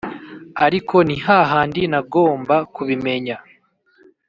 ariko nihahandi nagomba kubimenya